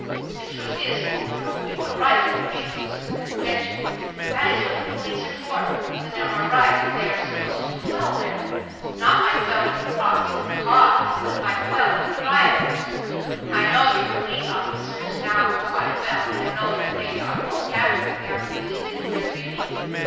The truth is, Pullman, you were right when you gave these women protection. That is what the police are for. When there are riots they are supposed to quell them, not by quelling the "proximate cause," but by quelling the rioters. I know your police officers now quite well and know that they are most happy when they are permitted to do their duty.